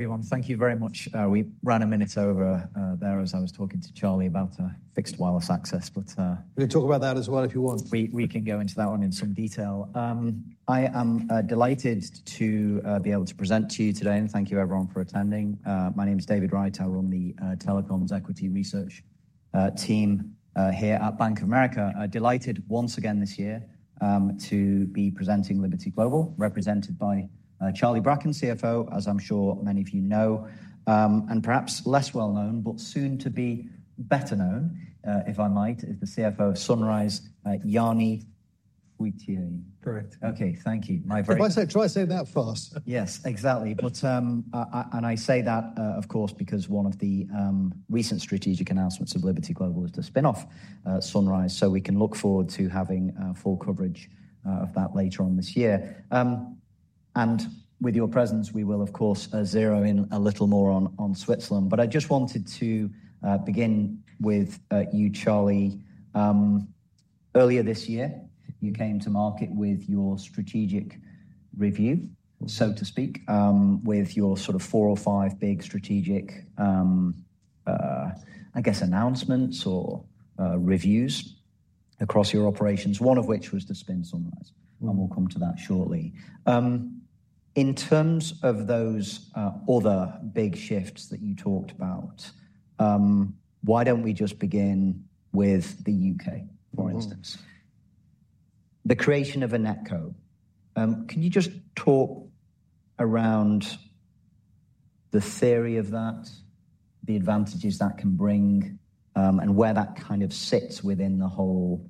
Everyone, thank you very much. We ran a minute over there as I was talking to Charlie about fixed wireless access, but... We can talk about that as well if you want. We can go into that one in some detail. I am delighted to be able to present to you today, and thank you everyone for attending. My name is David Wright. I run the Telecoms Equity Research Team here at Bank of America. Delighted once again this year to be presenting Liberty Global, represented by Charlie Bracken, CFO, as I'm sure many of you know, and perhaps less well known, but soon to be better known, if I might, is the CFO of Sunrise, Jany Fruytier. Correct. Okay, thank you. Try saying that fast. Yes, exactly. And I say that, of course, because one of the recent strategic announcements of Liberty Global is to spin off Sunrise, so we can look forward to having full coverage of that later on this year. And with your presence, we will, of course, zero in a little more on Switzerland. But I just wanted to begin with you, Charlie. Earlier this year, you came to market with your strategic review, so to speak, with your sort of four or five big strategic, I guess, announcements or reviews across your operations, one of which was to spin Sunrise. And we'll come to that shortly. In terms of those other big shifts that you talked about, why don't we just begin with the U.K., for instance? The creation of a NetCo. Can you just talk around the theory of that, the advantages that can bring, and where that kind of sits within the whole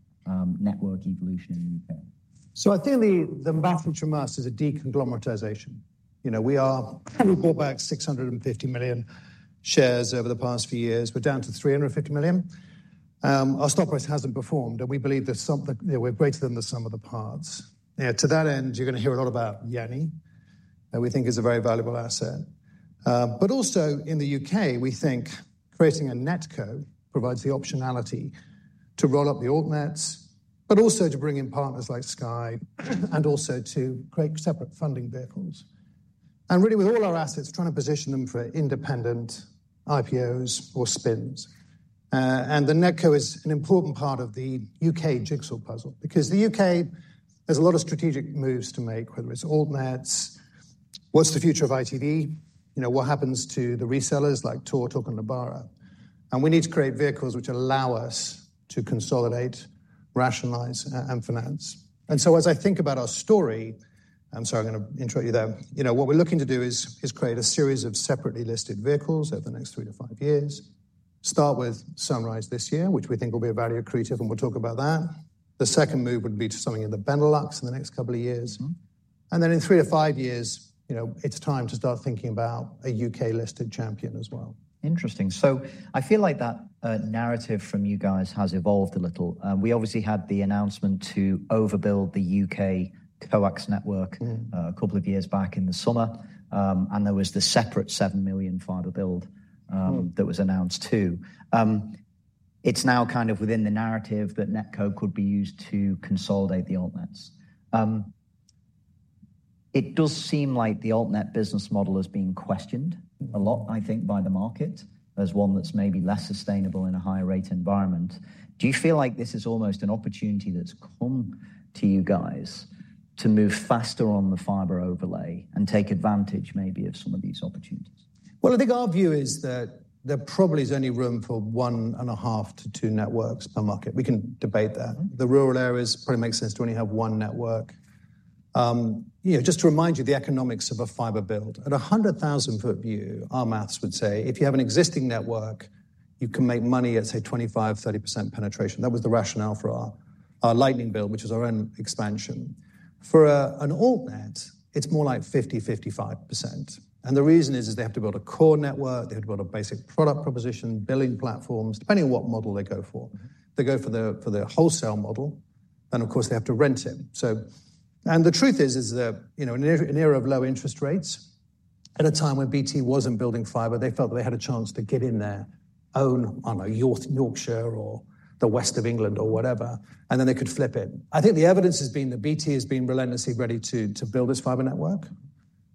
network evolution in the U.K.? So I think the matter to us is a de-conglomeratization. We bought back 650 million shares over the past few years. We're down to 350 million. Our stock price hasn't performed, and we believe we're greater than the sum of the parts. To that end, you're going to hear a lot about Jany. We think it's a very valuable asset. But also in the U.K., we think creating a NetCo provides the optionality to roll up the altnets, but also to bring in partners like Sky and also to create separate funding vehicles. And really, with all our assets, trying to position them for independent IPOs or spins. And the NetCo is an important part of the U.K. jigsaw puzzle because the U.K. has a lot of strategic moves to make, whether it's altnets, what's the future of ITV, what happens to the resellers like TalkTalk and Lebara. We need to create vehicles which allow us to consolidate, rationalize, and finance. So as I think about our story, I'm sorry, I'm going to interrupt you there. What we're looking to do is create a series of separately listed vehicles over the next 3-5 years. Start with Sunrise this year, which we think will be a value creative, and we'll talk about that. The second move would be to something in the Benelux in the next couple of years. And then in 3-5 years, it's time to start thinking about a U.K.-listed champion as well. Interesting. So I feel like that narrative from you guys has evolved a little. We obviously had the announcement to overbuild the U.K. coax network a couple of years back in the summer, and there was the separate 7 million fiber build that was announced too. It's now kind of within the narrative that NetCo could be used to consolidate the altnets. It does seem like the altnet business model has been questioned a lot, I think, by the market as one that's maybe less sustainable in a higher rate environment. Do you feel like this is almost an opportunity that's come to you guys to move faster on the fiber overlay and take advantage maybe of some of these opportunities? Well, I think our view is that there probably is only room for 1.5-2 networks per market. We can debate that. The rural areas probably make sense to only have one network. Just to remind you, the economics of a fiber build, at a 100,000-foot view, our math would say if you have an existing network, you can make money at, say, 25%-30% penetration. That was the rationale for our Lightning build, which is our own expansion. For an altnet, it's more like 50%-55%. The reason is they have to build a core network, they have to build a basic product proposition, billing platforms, depending on what model they go for. They go for the wholesale model, and of course, they have to rent it. The truth is that in an era of low interest rates, at a time when BT wasn't building fiber, they felt they had a chance to get in their own Yorkshire or the west of England or whatever, and then they could flip it. I think the evidence has been that BT has been relentlessly ready to build this fiber network,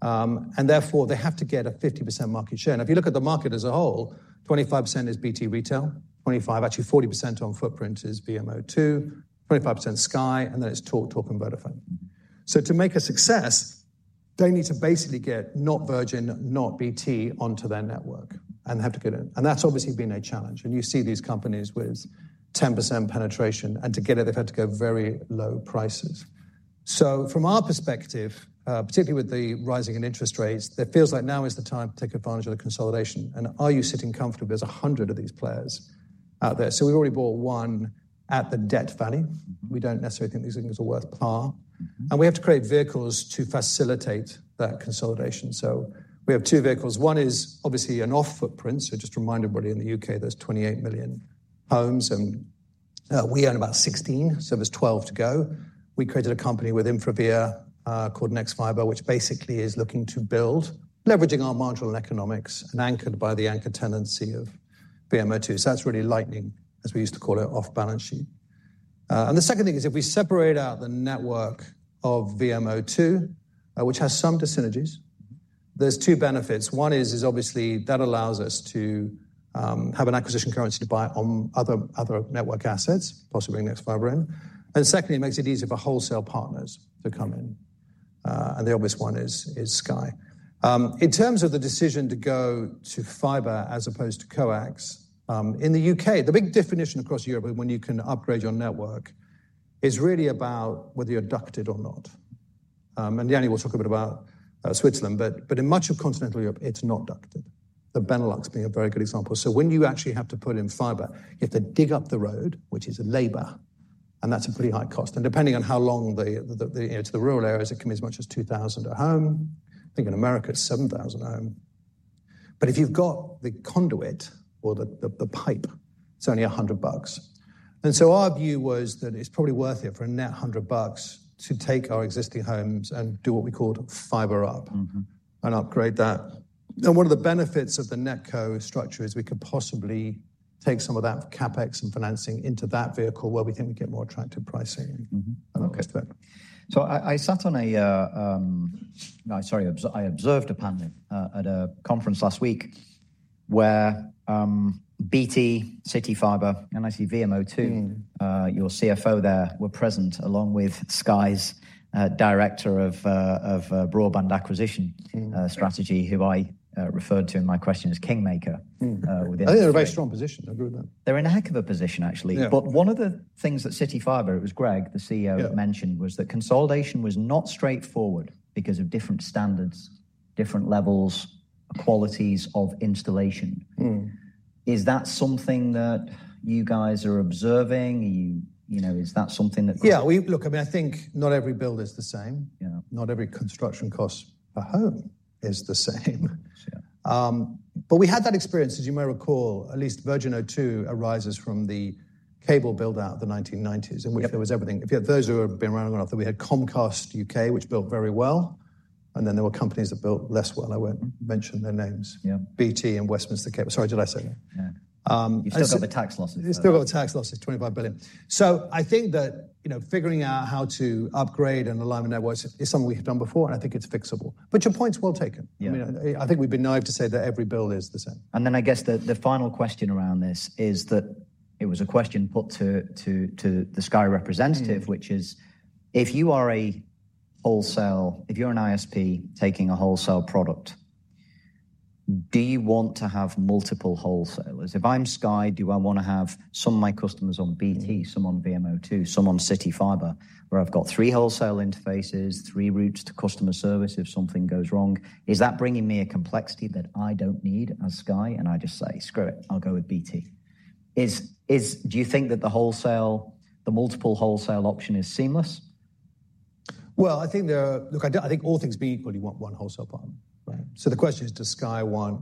and therefore they have to get a 50% market share. If you look at the market as a whole, 25% is BT retail, 25%, actually 40% on footprint is VMO2, 25% Sky, and then it's TalkTalk, Vodafone. So to make a success, they need to basically get not Virgin, not BT onto their network, and they have to get it. And that's obviously been a challenge. And you see these companies with 10% penetration, and to get it, they've had to go very low prices. So from our perspective, particularly with the rising interest rates, it feels like now is the time to take advantage of the consolidation. And are you sitting comfortably? There are 100 of these players out there. So we've already bought one at the debt value. We don't necessarily think these things are worth par. And we have to create vehicles to facilitate that consolidation. So we have two vehicles. One is obviously an off-footprint. So just to remind everybody, in the U.K., there are 28 million homes, and we own about 16, so there's 12 to go. We created a company with InfraVia called nexfibre, which basically is looking to build, leveraging our marginal economics and anchored by the anchor tenancy of VMO2. So that's really Lightning, as we used to call it, off-balance sheet. The second thing is if we separate out the network of VMO2, which has some synergies, there's two benefits. One is obviously that allows us to have an acquisition currency to buy on other network assets, possibly nexfibre in. And secondly, it makes it easier for wholesale partners to come in. And the obvious one is Sky. In terms of the decision to go to fiber as opposed to coax, in the U.K., the big definition across Europe when you can upgrade your network is really about whether you're ducted or not. And Jany will talk a bit about Switzerland, but in much of continental Europe, it's not ducted. The Benelux being a very good example. So when you actually have to put in fiber, you have to dig up the road, which is labor, and that's a pretty high cost. Depending on how long it's the rural areas, it can be as much as $2,000 a home. I think in America, it's $7,000 a home. But if you've got the conduit or the pipe, it's only $100. And so our view was that it's probably worth it for a net $100 to take our existing homes and do what we called fiber up and upgrade that. And one of the benefits of the Netco structure is we could possibly take some of that CapEx and financing into that vehicle where we think we get more attractive pricing. I observed a panel at a conference last week where BT, CityFibre, and I see VMO2, your CFO there, were present along with Sky's director of broadband acquisition strategy, who I referred to in my question as kingmaker. I think they're in a very strong position. They're good at that. They're in a heck of a position, actually. But one of the- Things that CityFibre, it was Greg, the CEO, mentioned was that consolidation was not straightforward because of different standards, different levels, qualities of installation. Is that something that you guys are observing? Is that something that? Yeah, look, I mean, I think not every build is the same. Not every construction cost per home is the same. But we had that experience, as you may recall, at least Virgin Media O2 arises from the cable build-out of the 1990s in which there was everything. Those who have been around, we had Comcast U.K., which built very well, and then there were companies that built less well. I won't mention their names. BT and Westminster Cable. Sorry, did I say that? You've still got the tax losses. You've still got the tax losses, $25 billion. So I think that figuring out how to upgrade and alignment networks is something we've done before, and I think it's fixable. But your point's well taken. I think we've been naive to say that every build is the same. And then I guess the final question around this is that it was a question put to the Sky representative, which is, if you are a wholesale, if you're an ISP taking a wholesale product, do you want to have multiple wholesalers? If I'm Sky, do I want to have some of my customers on BT, some on VMO2, some on CityFibre, where I've got three wholesale interfaces, three routes to customer service if something goes wrong? Is that bringing me a complexity that I don't need as Sky? And I just say, screw it, I'll go with BT. Do you think that the multiple wholesale option is seamless? Well, I think all things being equal, you want one wholesale partner. So the question is, does Sky want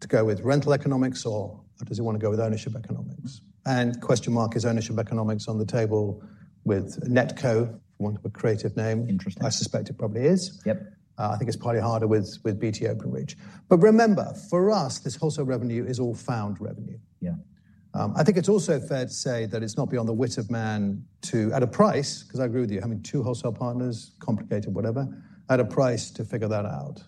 to go with rental economics or does he want to go with ownership economics? And question mark, is ownership economics on the table with NetCo, if you want to put a creative name? I suspect it probably is. I think it's probably harder with BT Openreach. But remember, for us, this wholesale revenue is all found revenue. I think it's also fair to say that it's not beyond the wit of man to, at a price, because I agree with you, having two wholesale partners, complicated, whatever, at a price to figure that out.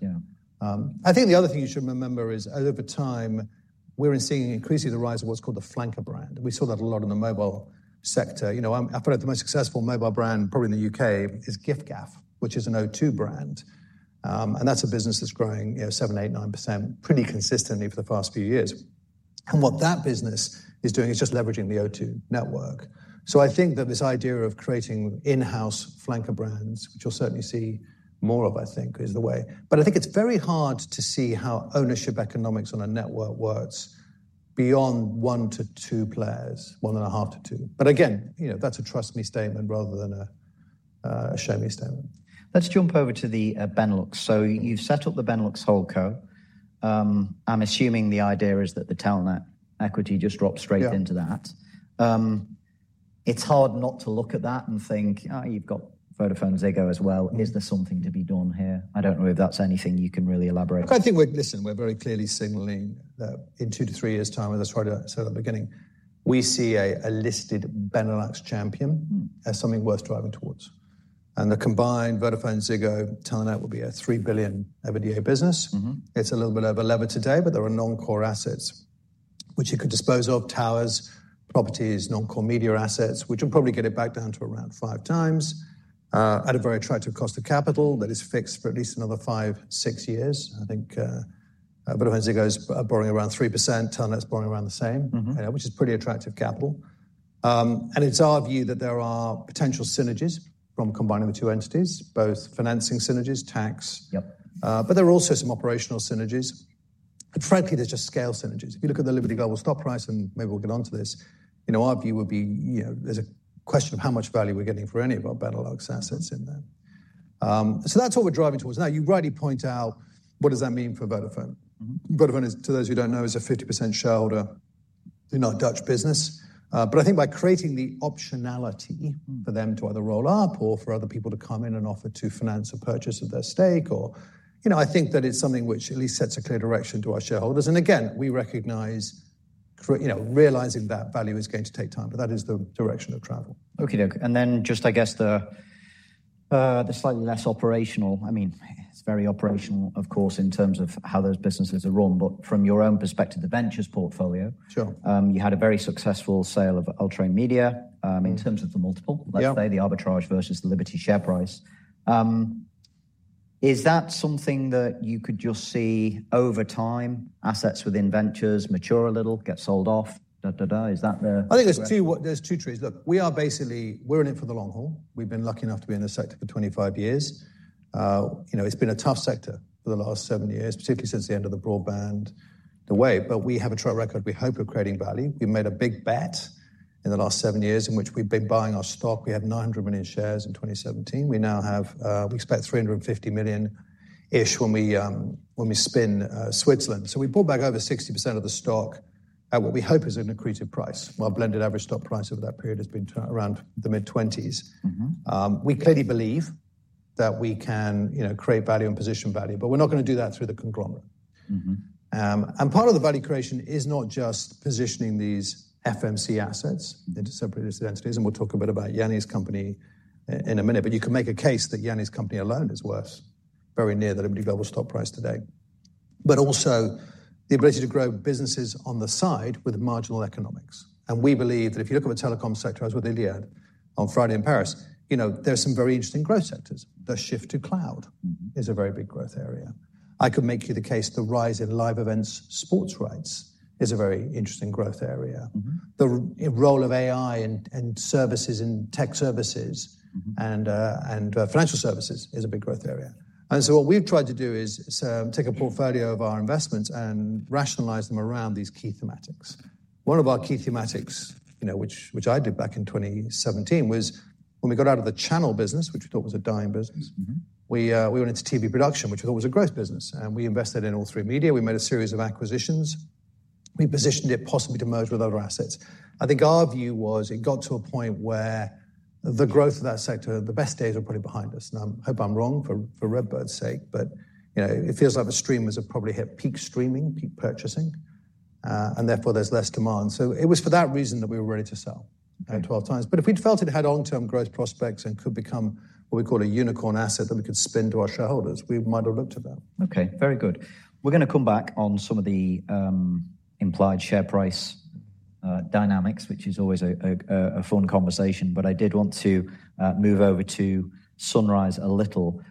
I think the other thing you should remember is over time, we're seeing increasingly the rise of what's called the flanker brand. We saw that a lot in the mobile sector. I feel like the most successful mobile brand, probably in the U.K., is giffgaff, which is an O2 brand. And that's a business that's growing 7%, 8%, 9% pretty consistently for the past few years. And what that business is doing is just leveraging the O2 network. So I think that this idea of creating in-house flanker brands, which you'll certainly see more of, I think, is the way. But I think it's very hard to see how ownership economics on a network works beyond 1-2 players, 1.5-2. But again, that's a trust me statement rather than a show me statement. Let's jump over to the Benelux. So you've set up the Benelux holding co. I'm assuming the idea is that the Telenet equity just drops straight into that. It's hard not to look at that and think, you've got VodafoneZiggo as well. Is there something to be done here? I don't know if that's anything you can really elaborate. I think we're, listen, we're very clearly signaling that in 2-3 years' time, as I tried to say at the beginning, we see a listed Benelux champion as something worth driving towards. And the combined VodafoneZiggo, Telenet will be a 3 billion over the year business. It's a little bit over 11 today, but there are non-core assets, which you could dispose of, towers, properties, non-core media assets, which will probably get it back down to around 5x at a very attractive cost of capital that is fixed for at least another 5-6 years. I think VodafoneZiggo's borrowing around 3%, Telenet's borrowing around the same, which is pretty attractive capital. And it's our view that there are potential synergies from combining the two entities, both financing synergies, tax, but there are also some operational synergies. But frankly, there's just scale synergies. If you look at the Liberty Global stock price, and maybe we'll get onto this, our view would be there's a question of how much value we're getting for any of our Benelux assets in there. So that's what we're driving towards. Now, you rightly point out, what does that mean for Vodafone? Vodafone, to those who don't know, is a 50% shareholder. They're not a Dutch business. But I think by creating the optionality for them to either roll up or for other people to come in and offer to finance a purchase of their stake, I think that it's something which at least sets a clear direction to our shareholders. And again, we recognize realizing that value is going to take time, but that is the direction of travel. Okay, look, and then just, I guess, the slightly less operational, I mean, it's very operational, of course, in terms of how those businesses are run. But from your own perspective, the ventures portfolio, you had a very successful sale of All3Media. In terms of the multiple, let's say the arbitrage versus the Liberty share price, is that something that you could just see over time, assets within ventures mature a little, get sold off, da da da? Is that the? I think there's 2 trees. Look, we are basically, we're in it for the long haul. We've been lucky enough to be in the sector for 25 years. It's been a tough sector for the last 7 years, particularly since the end of the broadband wave. But we have a track record. We hope we're creating value. We've made a big bet in the last 7 years in which we've been buying our stock. We had 900 million shares in 2017. We now have, we expect 350 million-ish when we spin Switzerland. So we bought back over 60% of the stock at what we hope is an accretive price. My blended average stock price over that period has been around the mid-20s. We clearly believe that we can create value and position value, but we're not going to do that through the conglomerate. Part of the value creation is not just positioning these FMC assets into separate listed entities. We'll talk a bit about Jany's company in a minute, but you can make a case that Jany's company alone is worth very near the Liberty Global stock price today. Also the ability to grow businesses on the side with marginal economics. We believe that if you look at the telecom sector, as with Iliad on Friday in Paris, there are some very interesting growth sectors. The shift to cloud is a very big growth area. I could make you the case the rise in live events, sports rights is a very interesting growth area. The role of AI and services and tech services and financial services is a big growth area. What we've tried to do is take a portfolio of our investments and rationalise them around these key thematics. One of our key thematics, which I did back in 2017, was when we got out of the channel business, which we thought was a dying business, we went into TV production, which we thought was a growth business. We invested in All3Media. We made a series of acquisitions. We positioned it possibly to merge with other assets. I think our view was it got to a point where the growth of that sector, the best days are probably behind us. I hope I'm wrong for RedBird's sake, but it feels like the streamers have probably hit peak streaming, peak purchasing, and therefore there's less demand. It was for that reason that we were ready to sell at 12 times. But if we felt it had long-term growth prospects and could become what we call a unicorn asset that we could spin to our shareholders, we might have looked at that. Okay, very good. We're going to come back on some of the implied share price dynamics, which is always a fun conversation, but I did want to move over to Sunrise a little.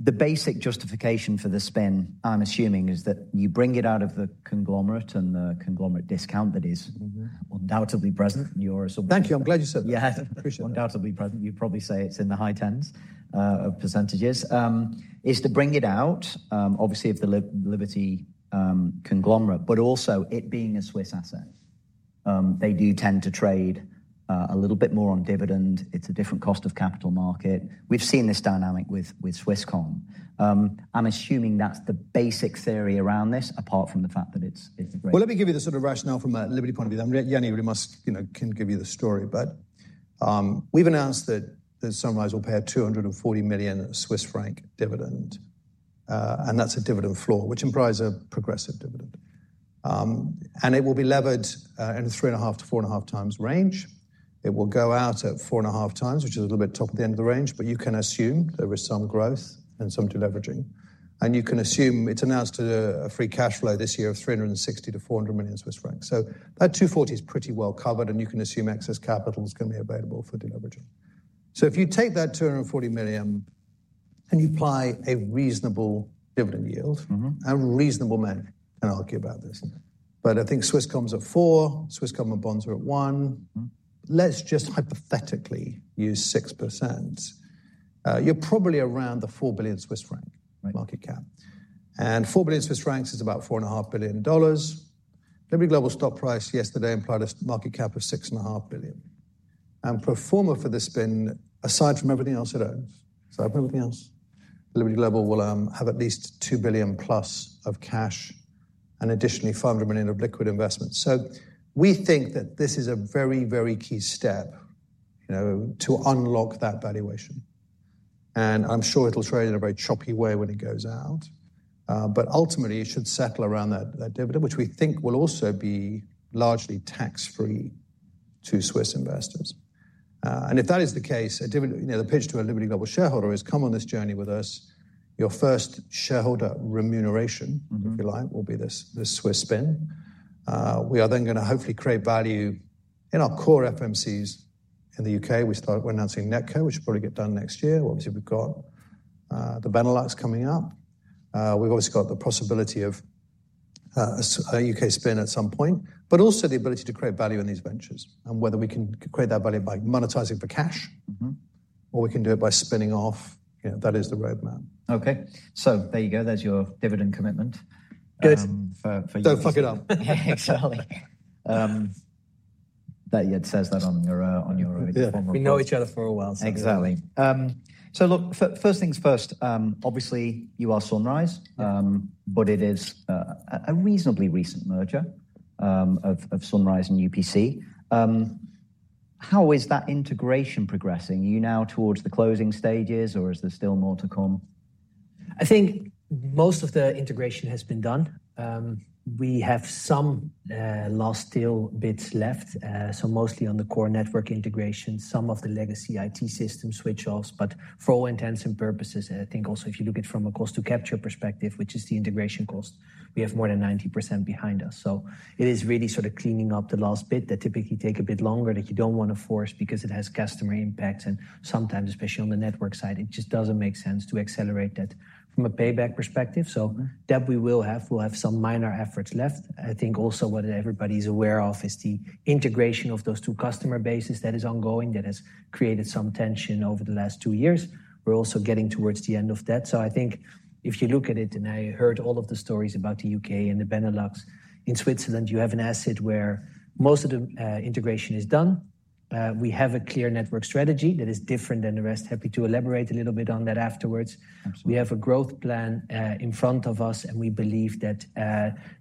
The basic justification for the spin, I'm assuming, is that you bring it out of the conglomerate and the conglomerate discount that is undoubtedly present. Thank you. I'm glad you said that. Yeah, undoubtedly present. You probably say it's in the high tens of %. Is to bring it out, obviously, of the Liberty conglomerate, but also it being a Swiss asset. They do tend to trade a little bit more on dividend. It's a different cost of capital market. We've seen this dynamic with Swisscom. I'm assuming that's the basic theory around this, apart from the fact that it's a great. Well, let me give you the sort of rationale from a Liberty point of view. Jany, we must can give you the story, but we've announced that Sunrise will pay a 240 million Swiss franc dividend, and that's a dividend floor, which implies a progressive dividend. It will be levered in a 3.5-4.5 times range. It will go out at 4.5 times, which is a little bit top of the end of the range, but you can assume there is some growth and some deleveraging. You can assume it's announced to a free cash flow this year of 360 million-400 million Swiss francs. So that 240 million is pretty well covered, and you can assume excess capital is going to be available for deleveraging. So, if you take that 240 million and you apply a reasonable dividend yield, a reasonable man can argue about this. But I think Swisscom's at 4%, Swisscom and bonds are at 1%. Let's just hypothetically use 6%. You're probably around the 4 billion Swiss franc market cap. And 4 billion Swiss francs is about $4.5 billion. Liberty Global stock price yesterday implied a market cap of $6.5 billion. And post the spin, aside from everything else it owns, aside from everything else, Liberty Global will have at least $2 billion+ of cash and additionally $500 million of liquid investments. So we think that this is a very, very key step to unlock that valuation. And I'm sure it'll trade in a very choppy way when it goes out. But ultimately, it should settle around that dividend, which we think will also be largely tax-free to Swiss investors. And if that is the case, the pitch to a Liberty Global shareholder is, come on this journey with us. Your first shareholder remuneration, if you like, will be this Swiss spin. We are then going to hopefully create value in our core FMCs in the U.K. We're announcing NetCo, which will probably get done next year. Obviously, we've got the Benelux coming up. We've obviously got the possibility of a U.K. spin at some point, but also the ability to create value in these ventures and whether we can create that value by monetizing for cash or we can do it by spinning off. That is the roadmap. Okay. So, there you go. That's your dividend commitment. Good. Don't fuck it up. Exactly. That it says that on your form of. We know each other for a while. Exactly. So, look, first things first, obviously, you are Sunrise, but it is a reasonably recent merger of Sunrise and UPC. How is that integration progressing? Are you now towards the closing stages, or is there still more to come? I think most of the integration has been done. We have some last still bits left, so mostly on the core network integration, some of the legacy IT system switch-offs. But for all intents and purposes, I think also if you look at it from a cost-to-capture perspective, which is the integration cost, we have more than 90% behind us. So, it is really sort of cleaning up the last bit that typically takes a bit longer that you don't want to force because it has customer impacts. And sometimes, especially on the network side, it just doesn't make sense to accelerate that from a payback perspective. So that we will have, we'll have some minor efforts left. I think also what everybody's aware of is the integration of those two customer bases that is ongoing, that has created some tension over the last two years. We're also getting towards the end of that. So I think if you look at it, and I heard all of the stories about the U.K. and the Benelux in Switzerland, you have an asset where most of the integration is done. We have a clear network strategy that is different than the rest. Happy to elaborate a little bit on that afterwards. We have a growth plan in front of us, and we believe that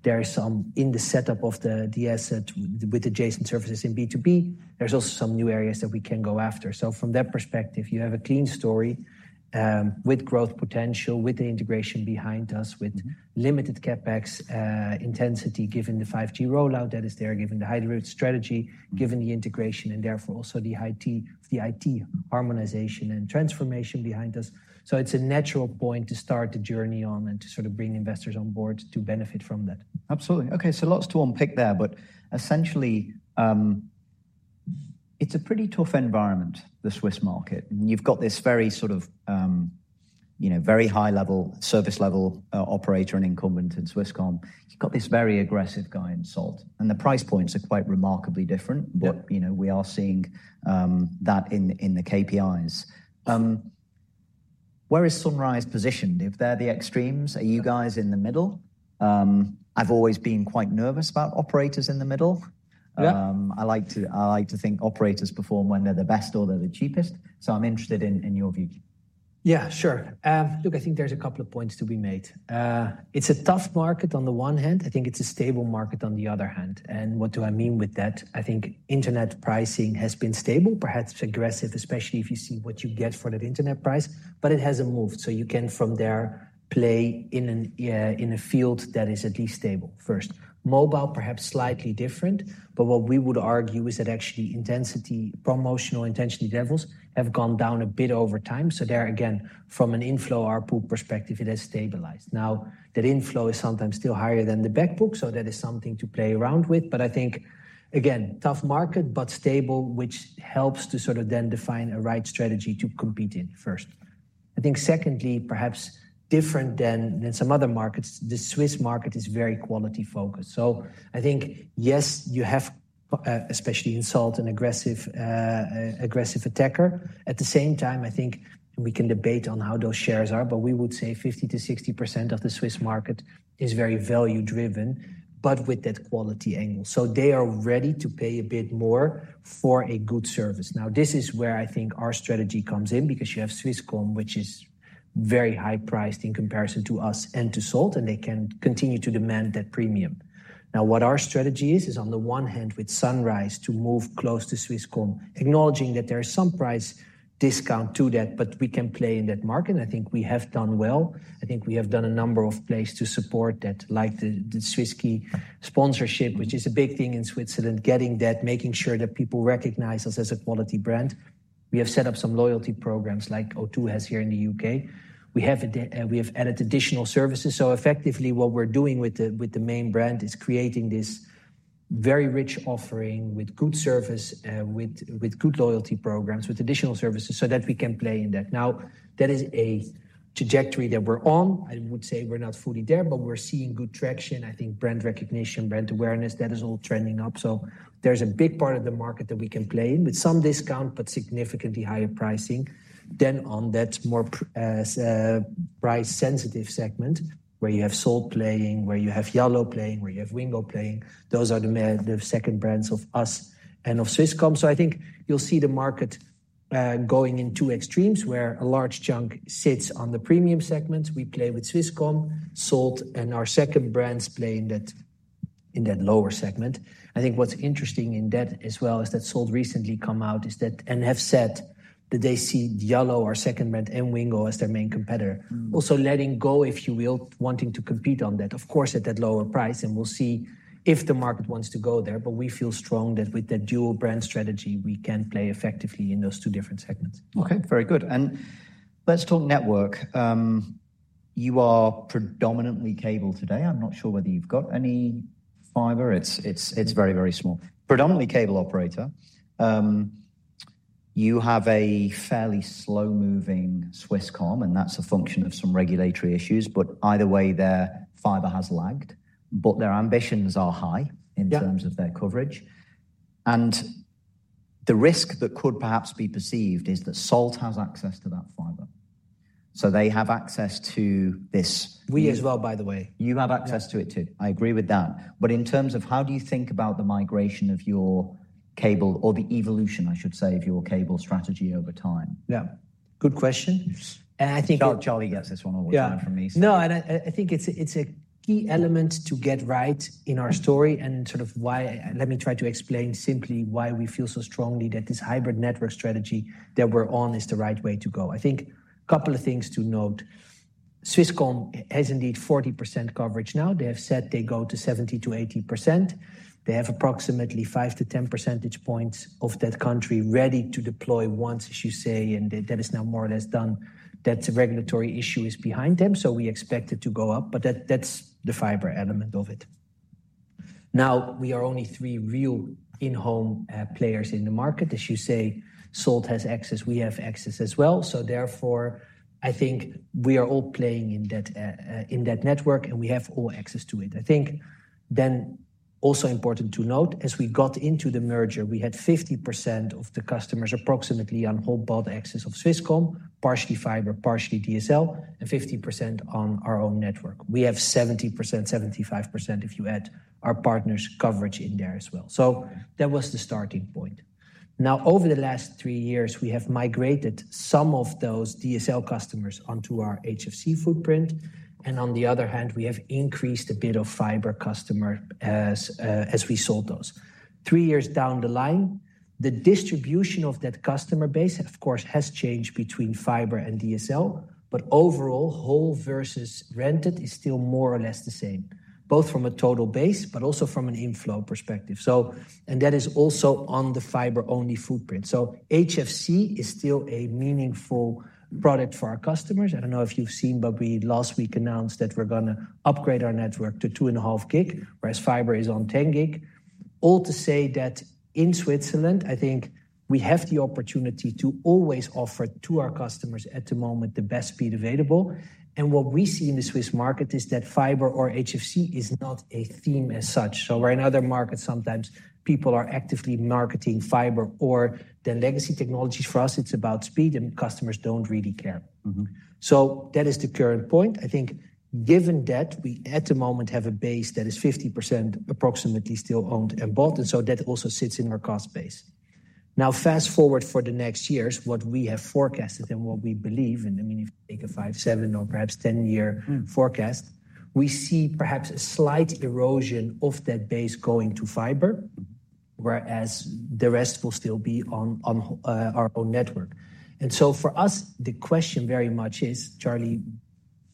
there is some in the setup of the asset with adjacent services in B2B. There's also some new areas that we can go after. So from that perspective, you have a clean story with growth potential, with the integration behind us, with limited CapEx intensity given the 5G rollout that is there, given the hybrid strategy, given the integration, and therefore also the IT harmonization and transformation behind us. It's a natural point to start the journey on and to sort of bring investors on board to benefit from that. Absolutely. Okay, so lots to unpick there, but essentially, it's a pretty tough environment, the Swiss market. You've got this very sort of very high-level service-level operator and incumbent in Swisscom. You've got this very aggressive guy in Salt. And the price points are quite remarkably different, but we are seeing that in the KPIs. Where is Sunrise positioned? If they're the extremes, are you guys in the middle? I've always been quite nervous about operators in the middle. I like to think operators perform when they're the best or they're the cheapest. So I'm interested in your view. Yeah, sure. Look, I think there's a couple of points to be made. It's a tough market on the one hand. I think it's a stable market on the other hand. What do I mean with that? I think internet pricing has been stable, perhaps aggressive, especially if you see what you get for that internet price, but it hasn't moved. So, you can from there play in a field that is at least stable. First, mobile, perhaps slightly different, but what we would argue is that actually promotional intensity levels have gone down a bit over time. So there, again, from an inflow output perspective, it has stabilized. Now, that inflow is sometimes still higher than the backbook, so that is something to play around with. But I think, again, tough market, but stable, which helps to sort of then define a right strategy to compete in first. I think secondly, perhaps different than some other markets, the Swiss market is very quality-focused. So, I think, yes, you have especially in Salt an aggressive attacker. At the same time, I think we can debate on how those shares are, but we would say 50%-60% of the Swiss market is very value-driven, but with that quality angle. So, they are ready to pay a bit more for a good service. Now, this is where I think our strategy comes in because you have Swisscom, which is very high-priced in comparison to us and to Salt, and they can continue to demand that premium. Now, what our strategy is, is on the one hand with Sunrise to move close to Swisscom, acknowledging that there is some price discount to that, but we can play in that market. I think we have done well. I think we have done a number of plays to support that, like the Swiss-Ski sponsorship, which is a big thing in Switzerland, getting that, making sure that people recognize us as a quality brand. We have set up some loyalty programs like O2 has here in the U.K. We have added additional services. So effectively, what we're doing with the main brand is creating this very rich offering with good service, with good loyalty programs, with additional services so that we can play in that. Now, that is a trajectory that we're on. I would say we're not fully there, but we're seeing good traction. I think brand recognition, brand awareness, that is all trending up. So, there's a big part of the market that we can play in with some discount, but significantly higher pricing than on that more price-sensitive segment where you have Salt playing, where you have yallo playing, where you have Wingo playing. Those are the second brands of us and of Swisscom. So, I think you'll see the market going in two extremes where a large chunk sits on the premium segments. We play with Swisscom, Salt, and our second brands play in that lower segment. I think what's interesting in that as well is that Salt recently came out and has said that they see yallo, our second brand, and Wingo as their main competitor. Also letting go, if you will, wanting to compete on that, of course, at that lower price. We'll see if the market wants to go there, but we feel strong that with that dual brand strategy, we can play effectively in those two different segments. Okay, very good. And let's talk network. You are predominantly cable today. I'm not sure whether you've got any fiber. It's very, very small. Predominantly cable operator. You have a fairly slow-moving Swisscom, and that's a function of some regulatory issues, but either way, their fiber has lagged, but their ambitions are high in terms of their coverage. And the risk that could perhaps be perceived is that Salt has access to that fiber. So, they have access to this. We as well, by the way. You have access to it too. I agree with that. But in terms of how do you think about the migration of your cable or the evolution, I should say, of your cable strategy over time? Yeah. Good question. And I think. Charlie gets this one all the time from me. No, and I think it's a key element to get right in our story and sort of why let me try to explain simply why we feel so strongly that this hybrid network strategy that we're on is the right way to go. I think a couple of things to note. Swisscom has indeed 40% coverage now. They have said they go to 70%-80%. They have approximately 5-10 percentage points of that country ready to deploy once, as you say, and that is now more or less done. That's a regulatory issue behind them, so we expect it to go up, but that's the fiber element of it. Now, we are only three real in-home players in the market. As you say, Salt has access. We have access as well. Therefore, I think we are all playing in that network and we have all access to it. I think then also important to note, as we got into the merger, we had 50% of the customers approximately on wholesale access of Swisscom, partially fiber, partially DSL, and 50% on our own network. We have 70%, 75%, if you add our partners' coverage in there as well. So that was the starting point. Now, over the last three years, we have migrated some of those DSL customers onto our HFC footprint. And on the other hand, we have increased a bit of fiber customer as we sold those. Three years down the line, the distribution of that customer base, of course, has changed between fiber and DSL, but overall, whole versus rented is still more or less the same, both from a total base, but also from an inflow perspective. That is also on the fiber-only footprint. So HFC is still a meaningful product for our customers. I don't know if you've seen, but we last week announced that we're going to upgrade our network to 2.5 gig, whereas fiber is on 10 gig. All to say that in Switzerland, I think we have the opportunity to always offer to our customers at the moment the best speed available. What we see in the Swiss market is that fiber or HFC is not a theme as such. We're in other markets. Sometimes people are actively marketing fiber or the legacy technologies. For us, it's about speed and customers don't really care. So that is the current point. I think given that we at the moment have a base that is 50% approximately still owned and bought, and so that also sits in our cost base. Now, fast forward for the next years, what we have forecasted and what we believe, and I mean, if you take a 5-, 7-, or perhaps 10-year forecast, we see perhaps a slight erosion of that base going to fiber, whereas the rest will still be on our own network. And so for us, the question very much is, Charlie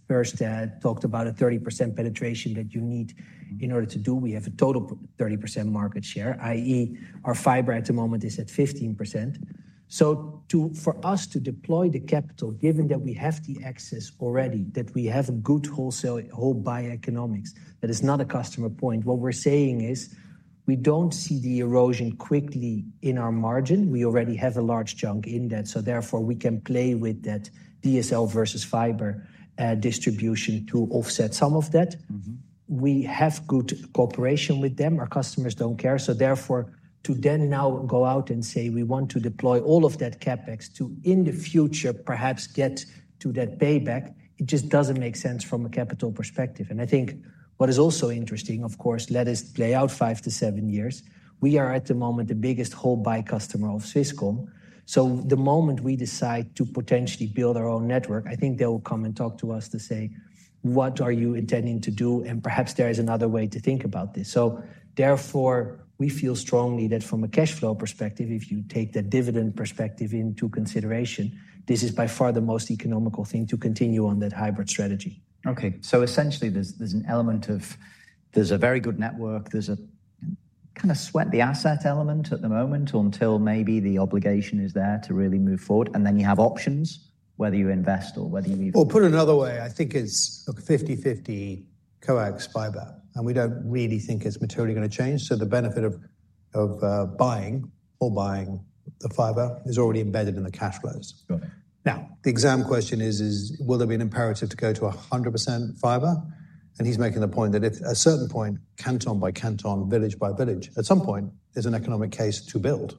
first talked about a 30% penetration that you need in order to do. We have a total 30% market share, i.e., our fiber at the moment is at 15%. So for us to deploy the capital, given that we have the access already, that we have a good wholesale buyer economics, that is not a customer point. What we're saying is we don't see the erosion quickly in our margin. We already have a large chunk in that. So therefore, we can play with that DSL versus fiber distribution to offset some of that. We have good cooperation with them. Our customers don't care. So therefore, to then now go out and say we want to deploy all of that CapEx to, in the future, perhaps get to that payback, it just doesn't make sense from a capital perspective. And I think what is also interesting, of course, let us play out five to seven years. We are at the moment the biggest wholesale buyer customer of Swisscom. The moment we decide to potentially build our own network, I think they will come and talk to us to say, what are you intending to do? Perhaps there is another way to think about this. Therefore, we feel strongly that from a cash flow perspective, if you take that dividend perspective into consideration, this is by far the most economical thing to continue on that hybrid strategy. Okay. So essentially, there's an element of there's a very good network. There's a kind of sweat the asset element at the moment until maybe the obligation is there to really move forward. And then you have options, whether you invest or whether you even. Or put another way, I think it's 50/50 coax fiber, and we don't really think it's materially going to change. So the benefit of buying or buying the fiber is already embedded in the cash flows. Now, the exam question is, will there be an imperative to go to 100% fiber? And he's making the point that at a certain point, canton by canton, village by village, at some point, there's an economic case to build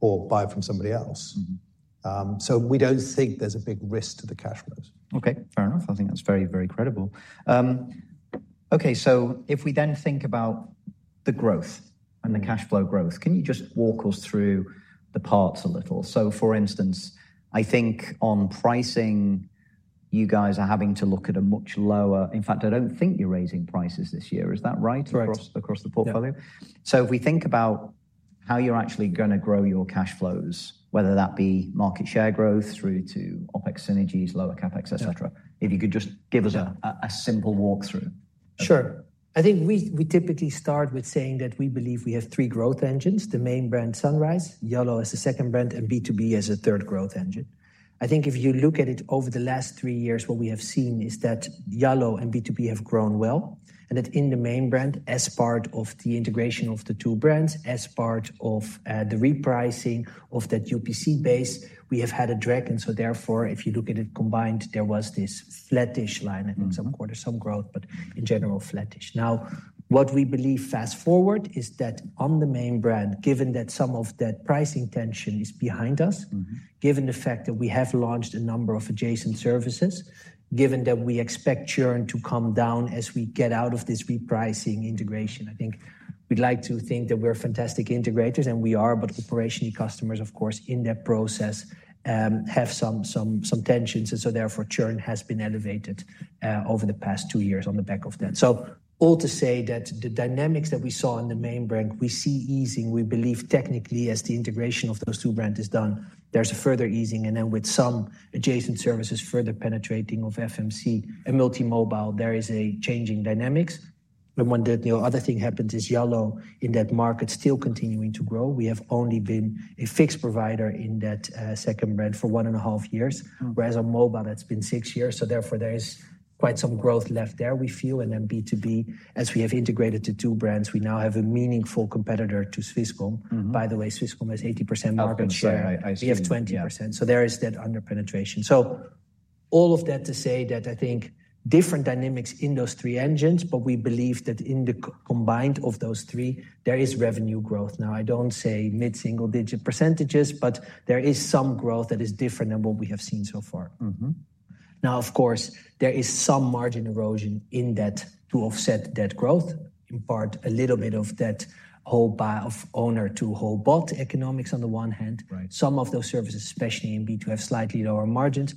or buy from somebody else. So we don't think there's a big risk to the cash flows. Okay, fair enough. I think that's very, very credible. Okay, so if we then think about the growth and the cash flow growth, can you just walk us through the parts a little? So, for instance, I think on pricing, you guys are having to look at a much lower, in fact, I don't think you're raising prices this year. Is that right across the portfolio? Correct. So, if we think about how you're actually going to grow your cash flows, whether that be market share growth through to OpEx synergies, lower CapEx, etc., if you could just give us a simple walkthrough? Sure. I think we typically start with saying that we believe we have three growth engines. The main brand, Sunrise, yallo as a second brand, and B2B as a third growth engine. I think if you look at it over the last three years, what we have seen is that yallo and B2B have grown well. And that in the main brand, as part of the integration of the two brands, as part of the repricing of that UPC base, we have had a drag. And so therefore, if you look at it combined, there was this flattish line. I think some quarters, some growth, but in general, flattish. Now, what we believe fast forward is that on the main brand, given that some of that pricing tension is behind us, given the fact that we have launched a number of adjacent services, given that we expect churn to come down as we get out of this repricing integration, I think we'd like to think that we're fantastic integrators, and we are, but operationally customers, of course, in that process have some tensions. And so therefore, churn has been elevated over the past two years on the back of that. So all to say that the dynamics that we saw in the main brand, we see easing. We believe technically as the integration of those two brands is done, there's a further easing. And then with some adjacent services further penetrating of FMC and multi-mobile, there is a changing dynamics. And one other thing happens is yallo in that market still continuing to grow. We have only been a fixed provider in that second brand for 1.5 years, whereas on mobile, that's been 6 years. So therefore, there is quite some growth left there, we feel. And then B2B, as we have integrated to two brands, we now have a meaningful competitor to Swisscom. By the way, Swisscom has 80% market share. We have 20%. So there is that under penetration. So all of that to say that I think different dynamics in those three engines, but we believe that in the combined of those three, there is revenue growth. Now, I don't say mid-single digit percentages, but there is some growth that is different than what we have seen so far. Now, of course, there is some margin erosion in that to offset that growth, in part a little bit of that whole buy-or-build to wholesale economics on the one hand. Some of those services, especially in B2, have slightly lower margins,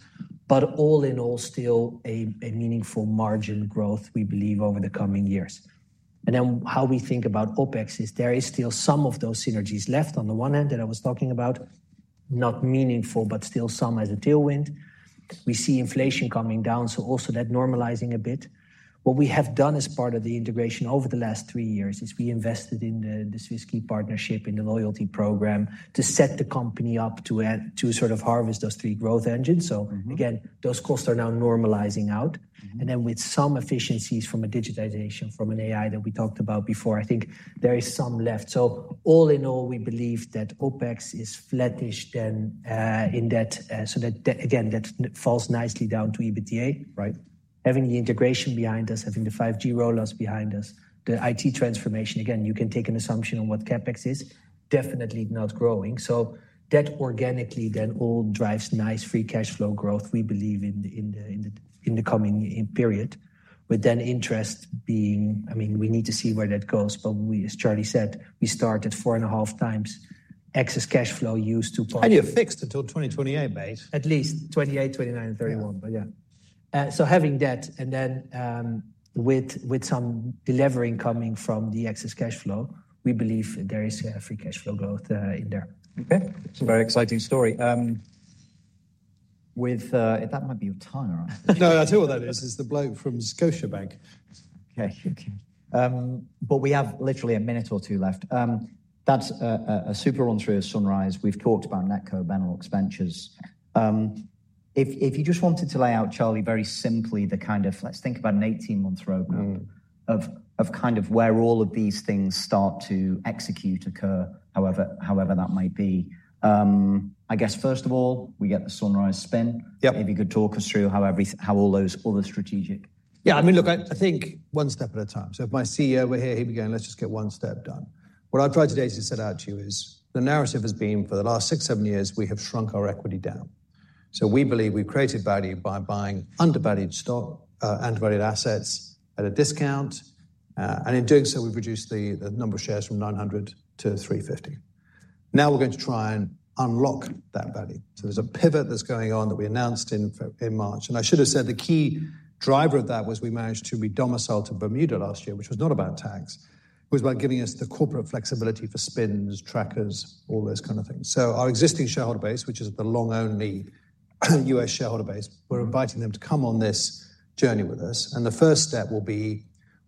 but all in all, still a meaningful margin growth, we believe, over the coming years. And then how we think about OpEx is there is still some of those synergies left on the one hand that I was talking about, not meaningful, but still some as a tailwind. We see inflation coming down, so also that normalizing a bit. What we have done as part of the integration over the last three years is we invested in the Swisscom partnership, in the loyalty program to set the company up to sort of harvest those three growth engines. So again, those costs are now normalizing out. And then with some efficiencies from a digitization, from an AI that we talked about before, I think there is some left. So, all in all, we believe that OpEx is flattish then in that. So that again, that falls nicely down to EBITDA, right? Having the integration behind us, having the 5G rollouts behind us, the IT transformation, again, you can take an assumption on what CapEx is, definitely not growing. So, that organically then all drives nice free cash flow growth, we believe, in the coming period, with then interest being, I mean, we need to see where that goes. But as Charlie said, we start at 4.5 times excess cash flow used to. You're fixed until 2028, mate. At least 2028, 2029, and 2031, but yeah. So having that, and then with some delivering coming from the excess cash flow, we believe there is free cash flow growth in there. Okay. That's a very exciting story. That might be your time, right? No, I tell you what that is, the bloke from Scotiabank. Okay, okay. But we have literally a minute or two left. That's a super run through of Sunrise. We've talked about NetCo, fiber expansions. If you just wanted to lay out, Charlie, very simply, the kind of, let's think about an 18-month roadmap of kind of where all of these things start to execute, occur, however that might be. I guess first of all, we get the Sunrise spin. Maybe you could talk us through how all those other strategic. Yeah, I mean, look, I think one step at a time. So, if my CEO were here, he'd be going, let's just get one step done. What I've tried today is to set out to you is the narrative has been for the last six, seven years, we have shrunk our equity down. So, we believe we've created value by buying undervalued stock, undervalued assets at a discount. And in doing so, we've reduced the number of shares from 900 to 350. Now we're going to try and unlock that value. So there's a pivot that's going on that we announced in March. And I should have said the key driver of that was we managed to re-domicile to Bermuda last year, which was not about tax. It was about giving us the corporate flexibility for spins, trackers, all those kind of things. So, our existing shareholder base, which is the long-only U.S. shareholder base, we're inviting them to come on this journey with us. And the first step will be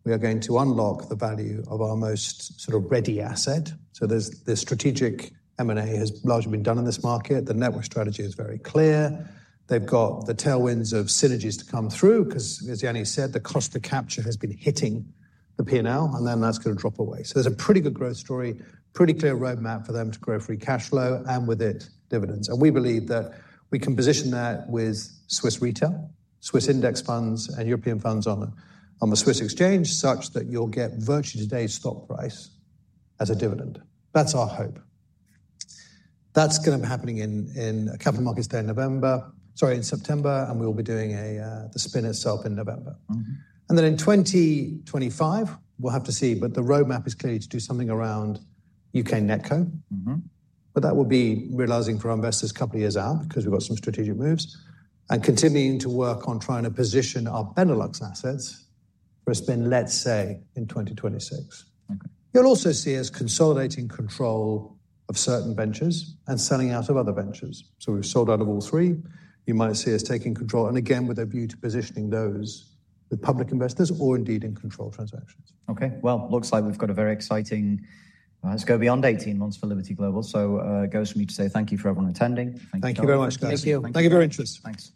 we are going to unlock the value of our most sort of ready asset. So, the strategic M&A has largely been done in this market. The network strategy is very clear. They've got the tailwinds of synergies to come through because, as Jany said, the cost of capture has been hitting the P&L, and then that's going to drop away. So there's a pretty good growth story, pretty clear roadmap for them to grow free cash flow and with it, dividends. And we believe that we can position that with Swiss retail, Swiss index funds, and European funds on the Swiss exchange such that you'll get virtually today's stock price as a dividend. That's our hope. That's going to be happening in a couple of markets there in November, sorry, in September, and we'll be doing the spin itself in November. And then in 2025, we'll have to see, but the roadmap is clearly to do something around U.K. NetCo. But that will be realising for our investors a couple of years out because we've got some strategic moves and continuing to work on trying to position our Benelux assets for a spin, let's say, in 2026. You'll also see us consolidating control of certain ventures and selling out of other ventures. So we've sold out of all three. You might see us taking control, and again, with a view to positioning those with public investors or indeed in control transactions. Okay. Well, it looks like we've got a very exciting, let's go beyond 18 months for Liberty Global. So it goes for me to say thank you for everyone attending. Thank you very much, guys. Thank you. Thank you for your interest. Thanks.